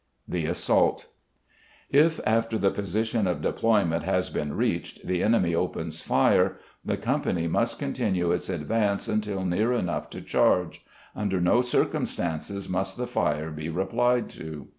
The Assault. If, after the position of deployment has been reached, the enemy opens fire, the company must continue its advance until near enough to charge; under no circumstances must the fire be replied to.